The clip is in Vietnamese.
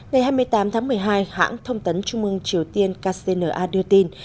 ngày hai mươi tám tháng một mươi hai hãng thông tấn trung mương triều tiên kcna đưa tin